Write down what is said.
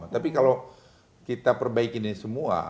tapi kalau kita perbaiki ini semua